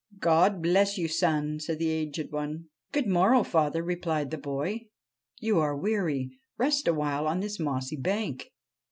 ' God bless you, son,' said the aged one. ' Good morrow, father,' replied the boy. ' You are weary. Rest a while on this mossy bank.'